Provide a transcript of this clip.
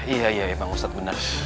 iya iya emang susah betul